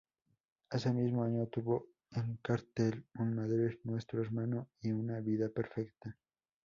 Ese mismo año tuvo en cartel en Madrid "Nuestro hermano" y "Una vida perfecta".